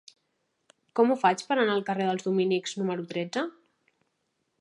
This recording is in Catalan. Com ho faig per anar al carrer dels Dominics número tretze?